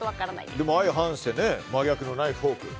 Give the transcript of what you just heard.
でも、相反して真逆のナイフ、フォーク？